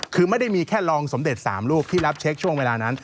คือไม่ได้มีแค่รองสมเด็จ๓ลูกที่รับเช็คช่วงเวลานั้น